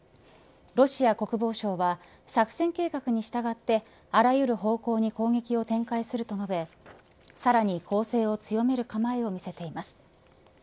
ロシア国防省は作戦計画に従ってあらゆる方向に攻撃を展開すると述べさらに攻勢を強める構えを見せています。